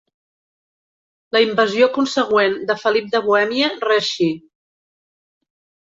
La invasió consegüent de Felip de Bohèmia reeixí.